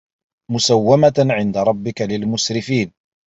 مُسَوَّمَةً عِندَ رَبِّكَ لِلمُسرِفينَ